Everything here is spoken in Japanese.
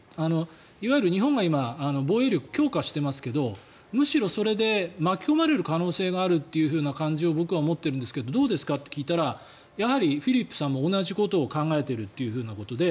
いわゆる日本が今、防衛力を強化していますがむしろそれで巻き込まれる可能性があるという感じを僕は持ってるんですがどうですか？って聞いたらやはりフィリップさんも同じことを考えているということで